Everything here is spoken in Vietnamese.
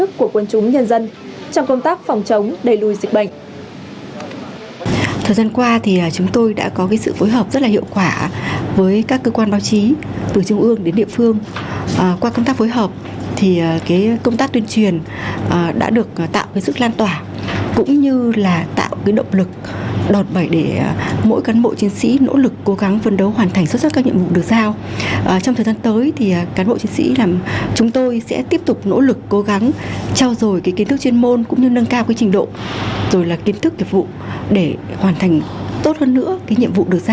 góp phần đăng cao nhận thức của quân chúng nhân dân trong công tác phòng chống đầy lùi dịch bệnh